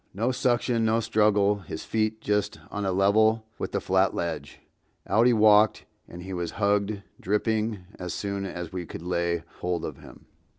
No suction, no struggle, his feet just on a level with the flat ledge; out he walked and was hugged, dripping, as soon as we could lay hold of him.